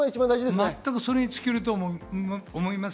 全くそれに尽きると思います。